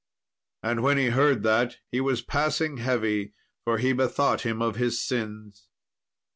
And when he heard that, he was passing heavy, for he bethought him of his sins.